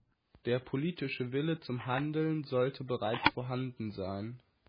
Der politische Wille zum Handeln sollte bereits vorhanden sein.